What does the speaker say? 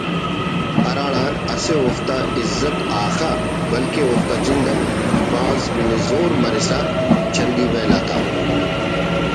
ہراڑان اسہ اوفتا عزت آخا بلکن اوفتا جند ہم بھاز نزور مرسا چندی ویل آتا